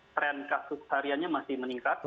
tren kasus hariannya masih meningkat